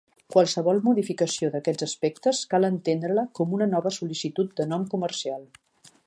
Qualsevol modificació d'aquests aspectes cal entendre-la com una nova sol·licitud de nom comercial.